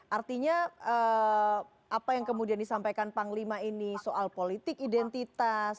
artinya apa yang kemudian disampaikan panglima ini soal politik identitas